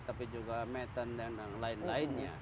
tapi juga metan dan lain lainnya